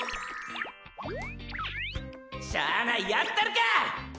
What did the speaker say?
しゃあないやったるか！